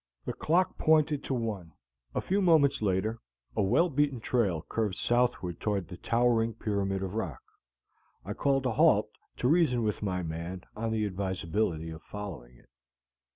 The clock pointed to one. A few moments later a well beaten trail curved southward toward the towering pyramid of rock. I called a halt to reason with my man on the advisability of following it.